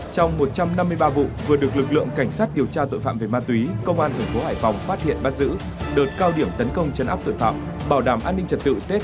trong một trăm năm mươi ba vụ vừa được lực lượng cảnh sát điều tra tội phạm về ma túy công an tp hải phòng phát hiện bắt giữ đợt cao điểm tấn công trần áp tội phạm bảo đảm an ninh trật tự tết hai nghìn hai mươi ba